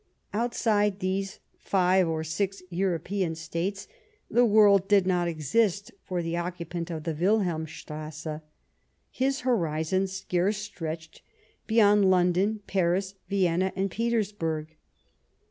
" Outside these five or six European States, the world did not exist for the occupant of the Wilhclm strasse ; his horizon scarce stretched beyond Lon don, Paris, Vienna and Petersburg.